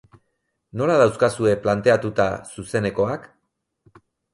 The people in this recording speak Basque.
Nola dauzkazue planteatuta zuzenekoak?